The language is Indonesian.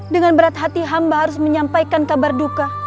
dengan berat hati hamba harus menyampaikan kabar duka